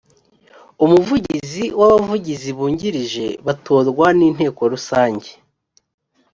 umuvugizi n’abavugizj bungirije batorwa n’inteko rusange